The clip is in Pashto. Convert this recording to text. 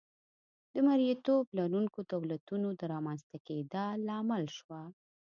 د مریتوب لرونکو دولتونو د رامنځته کېدا لامل شوه.